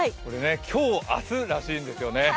今日、明日らしいんですよね